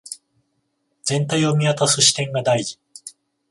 全体を見渡す視点が大事